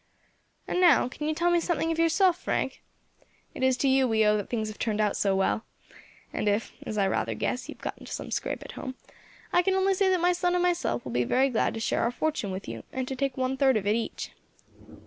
"And now, can you tell me something of yourself, Frank? It is to you we owe it that things have turned out well; and if, as I rather guess, you have got into some scrape at home, I can only say that my son and myself will be very glad to share our fortune with you, and to take one third of it each."